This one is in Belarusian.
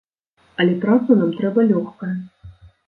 Але праца нам трэба лёгкая.